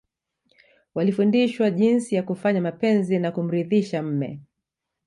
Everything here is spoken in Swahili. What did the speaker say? Walifundishwa jinsi ya kufanya mapenzi na kumridhisha mume